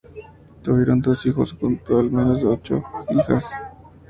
Tuvieron dos hijos juntos y al menos ocho hijas.